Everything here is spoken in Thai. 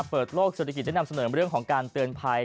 เปิดโลกเศรษฐกิจได้นำเสนอเรื่องของการเตือนภัย